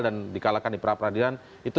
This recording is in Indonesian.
dan dikalahkan di peradilan itu